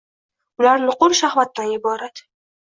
Bular nuqul shahvatdan iborat